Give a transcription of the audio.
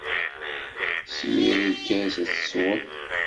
Smir lkas ad t-tesweḍ!